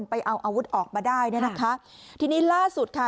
ไปเอาอาวุธออกมาได้เนี่ยนะคะทีนี้ล่าสุดค่ะ